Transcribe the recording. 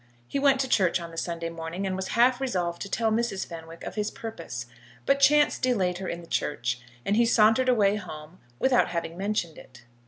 He went to church on the Sunday morning, and was half resolved to tell Mrs. Fenwick of his purpose; but chance delayed her in the church, and he sauntered away home without having mentioned it.